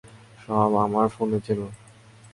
সব আমার ফোনে ছিল।